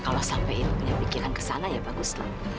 kalau sampai ibu punya pikiran ke sana ya baguslah